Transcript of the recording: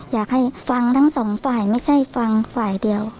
อยากให้ฟังทั้งสองฝ่ายไม่ใช่ฟังฝ่ายเดียว